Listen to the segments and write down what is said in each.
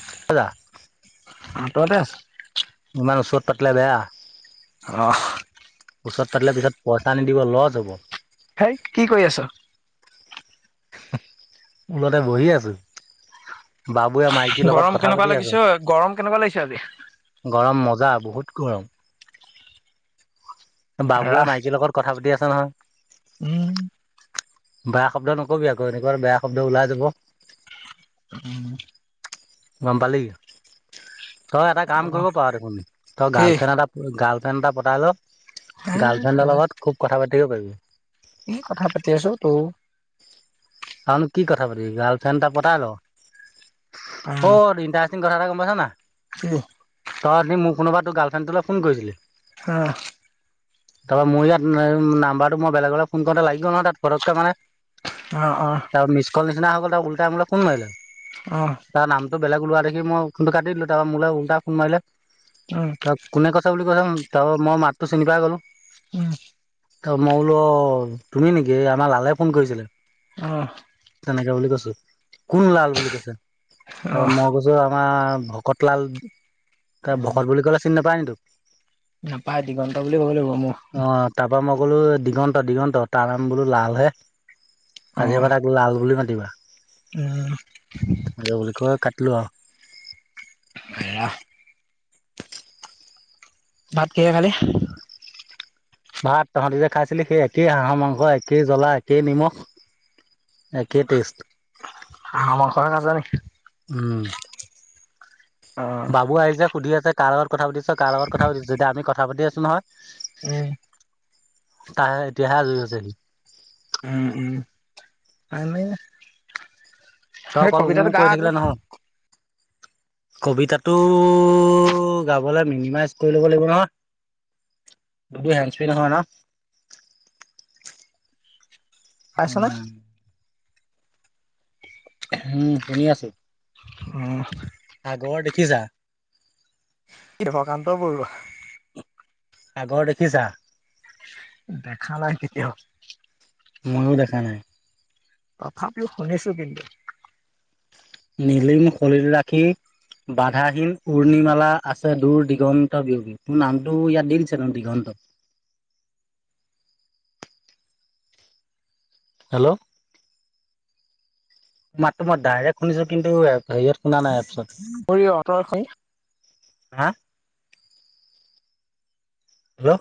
[inaudible] ঘৰতে আছ? ইমান ওচৰত পাতিলে বেয়া। অ'। ওচৰত পাতিলে পিছত পইচা নিদিব লছ হ'ব। ভাই কি কৰি আছ? [unintelligible] বহি আছোঁ, বাবুৱে মাইকীৰ গৰম লগত কথা কেনেকুৱা পাতি লাগিছে আছে। ঐ গৰম কেনেকুৱা লাগিছে আজি? গৰম মজা, বহুত গৰম। বাবুৱে ৰাস মাইকীৰ লগত কথা পাতি আছে নহয়। উম। বেয়া শব্দ নকবি আকৌ, এনেকুৱাত বেয়া শব্দ ওলাই যাব। [inaudible] গম পালি। তই এটা কাম অহ কৰিব পাৰ দেখোন তই কি? গাৰ্লফ্ৰেণ্ড এটা গাৰ্লফ্ৰেণ্ড এটা পতাই ল' গাৰ্লফ্ৰেণ্ডৰ তই লগত খুব কথা পাতিব পাৰিবি। এ, কথা পাতি আছোঁ তোৰ [unintelligible] কি কথা পাতিবি, গাৰ্লফ্ৰণ্ড এটা পতাই ল'। অ', ইণ্টাৰেষ্টিং কথা এটা গম পাইছ না? হুম। তই আজি মোৰ ফোনতোৰ গাৰ্ল্ৰেণ্ডটোলে ফোন কৰিছিলি? হ'। [inaudible] তাৰপা মোৰ ইয়াত নাম্বাৰটো মই বেলেগলে ফোন কৰোঁতে লাগিব নহয় তাত পতককে মানে। অ', অ'। আৰু মিছকল নিচিনা হৈ গ'ল তাই উলতাই মোলে ফোন মাৰিলে। অহ। তাৰ নামটো বেলেগ লোৱা দেখি মই ফোনটো কাটি দিলোঁ, তাৰপা মোলৈ ওলটাই ফোন মাৰিলে। উম। কোনে কৈছে বুলি [unintelligible] তাৰপা মই মাতটো চিনি পাই গ'লোঁ। উম। তাৰপা মই বোলো তুমি নেকি, আমাৰ লালে ফোন কৰিছিলে। অ'। তেনেকে বুলি কৈছোঁ, কোন লাল বুলি কৈছে। তাৰপা অহ মই কৈ ছোঁ আমাৰ ভকত লাল। তাই ভকত বুলি ক'লে চিনি নাপায় নি তোক? নাপায় দিগন্ত বুলি ক'ব লাগিব মোক আহ। তাৰপা মই ক'লো দিগন্ত, দিগন্ত তাৰ নাম বোলো লালহে। আজিৰ অহ পৰা তাক লাল বুলি মাতিবা। উম। বুলি কৈ কাটিলোঁ আৰু। [inaudible] ভাত কিহে খালি? ভাত তহঁতি যে খাইছিলি, সেই একেই হাঁহৰ মাংস একেই জ্বলা একেই নিমখ। একেই টেষ্ট। [unintelligible] নাযাও নেকি? উম বাবু আহিছে সুধি আছে কাৰ লগত কথা পাতিছ, কাৰ লগত কথা পাতিছ, এতিয়া আমি কথা পাতি নহয় উম। তাৰ এতিয়াহে আজৰি হৈছে সি। উম, উম, এনেই তই সেই অকল উ কবিতাটো গা কৈ আকৌ। থাকিলে নহয় [inaudible] কবিতাটো গাবলে মিনিমাইজ কৰি ল'ব লাগিব নহয়। তোৰটো হেনস্পি নহয় ন? পাইছনে? উম। উম, শুনি আছোঁ। অ'। সাগৰ দেখিছা? দেৱকান্ত বৰুৱা। সাগৰ দেখিছা? দেখা নাই কেতিয়াও। মইও দেখা নাই। তথাপিও শুনিছোঁ কিন্তু। নীলিম শৰীৰ [unintelligible] বাধাহীন উৰ্ণিমালা আছে, দূৰ দিগন্ত বিয়পী। তোৰ নামটো ইয়াত দি দিছে দেখোন দিগন্ত। হেল্ল। মাততো মই ডাইৰেক্ শুনিছো কিন্তু এ, হেৰিয়ত শুনা নাই এপচত। [unintelligible] অত' এখন হা হেল্ল।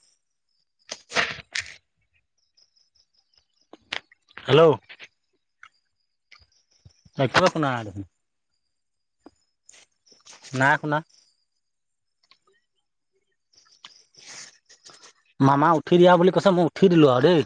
হেল্ল। একোএ শুনা নাই দেখোন। নাই শুনা। মামা উঠি দিয়া বুলি কৈছে, মই উঠি দিলোঁ আৰু দেই।